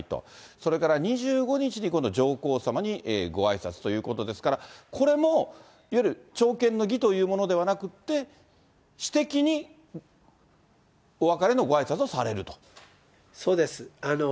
それから２５日に、今度、上皇さまにごあいさつということですから、これも、いわゆる朝見の儀というものではなくって、私的にお別れのごあいさつをされるそうです。